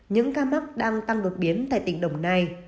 những ca mắc đang tăng đột biến tại tỉnh đồng nai